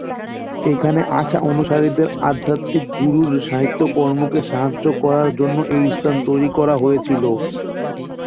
এখানে আসা অনুসারীদের আধ্যাত্মিক গুরুর সাহিত্য কর্মকে সাহায্য করার জন্য এই স্থান তৈরি করা হয়েছিল।